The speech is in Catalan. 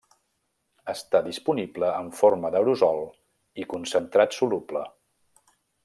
Està disponible en forma d'aerosol i concentrat soluble.